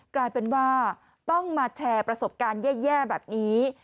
กลายเป็นว่าต้องมาแชร์ประสบการณ์แย่แบบนี้